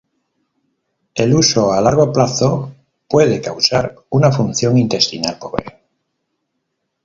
El uso a largo plazo puede causar una función intestinal pobre.